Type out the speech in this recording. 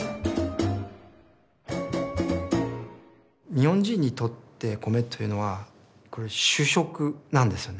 日本人にとって米というのはこれ主食なんですよね。